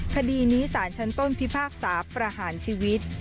คดีนี้สารชั้นต้นพิพากษาประหารชีวิต